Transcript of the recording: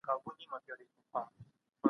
که تاسي له وسايلو سمه ګټه ونه اخلئ، ضايع کېږي.